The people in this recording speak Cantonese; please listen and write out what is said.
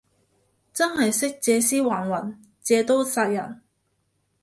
真係識借屍還魂，借刀殺人